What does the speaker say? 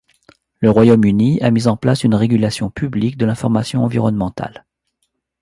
Le Royaume-Uni a mis en place une régulation publique de l'information environnementale.